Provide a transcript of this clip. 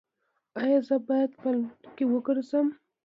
ایا زه باید په لمر کې وګرځم؟